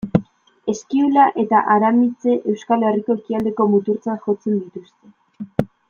Eskiula eta Aramitse, Euskal Herriko ekialdeko muturtzat jotzen dituzte.